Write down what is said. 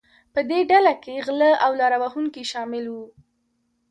په دې ډله کې غلۀ او لاره وهونکي شامل وو.